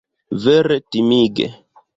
Vere timige!